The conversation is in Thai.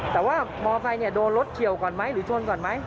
แต่ว่ามอไซค์โดนรถเฉียวก่อนไหมหรือชนก่อนไหม